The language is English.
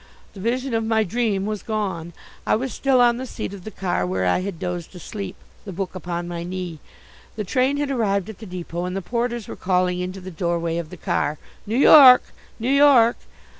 The vision of my dream was gone. I was still on the seat of the car where I had dozed asleep, the book upon my knee. The train had arrived at the depot and the porters were calling into the doorway of the car: "New York! New York!"